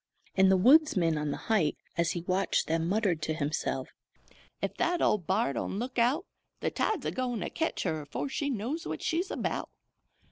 And the woodsman on the height, as he watched them, muttered to himself: "Ef that old b'ar don't look out, the tide's a goin' to ketch her afore she knows what she's about!